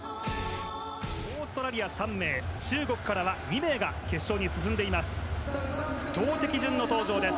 オーストラリア３名中国からは２名が決勝に進んでいます。